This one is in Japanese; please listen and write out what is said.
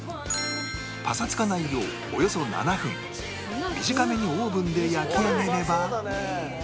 パサつかないようおよそ７分短めにオーブンで焼き上げれば